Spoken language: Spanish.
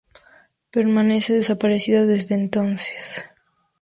Permanece desaparecida desde entonces.